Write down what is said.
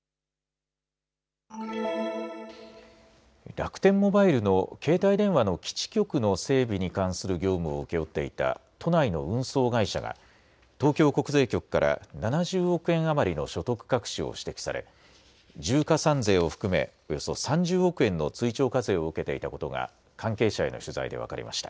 楽天モバイルの携帯電話の基地局の整備に関する業務を請け負っていた都内の運送会社が東京国税局から７０億円余りの所得隠しを指摘され重加算税を含めおよそ３０億円の追徴課税を受けていたことが関係者への取材で分かりました。